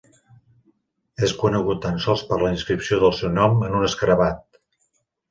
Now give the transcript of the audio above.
És conegut tan sols per la inscripció del seu nom en un escarabat.